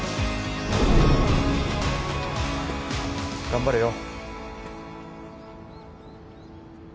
頑張れよ。